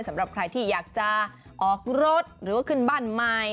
สำหรับใครที่อยากจะออกรถหรือว่าขึ้นบ้านใหม่